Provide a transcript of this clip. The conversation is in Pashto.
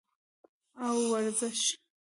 او ورزش